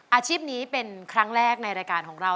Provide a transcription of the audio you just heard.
อาชีพนี้เป็นครั้งแรกในรายการของเรา